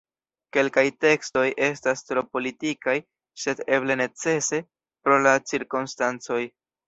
Kelkaj tekstoj estas tro politikaj, sed eble necese pro la cirkonstancoj.